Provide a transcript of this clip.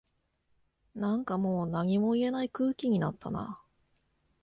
なんかもう何も言えない空気になったな